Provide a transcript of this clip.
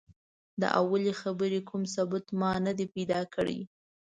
د اولې خبرې کوم ثبوت ما نه دی پیدا کړی.